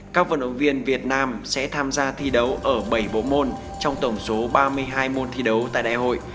các vận động viên việt nam sẽ tham gia thi đấu ở bảy bộ môn trong tổng số ba mươi hai môn thi đấu tại đại hội